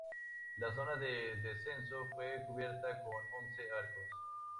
La zona de descenso fue cubierta con once arcos.